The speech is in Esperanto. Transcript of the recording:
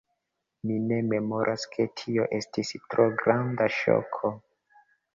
Mi ne memoras, ke tio estis tro granda ŝoko.